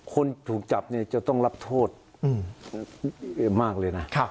คนถูกจับเนี่ยจะต้องรับโทษมากเลยนะ